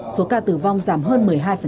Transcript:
số ca tử vong giảm hơn một mươi hai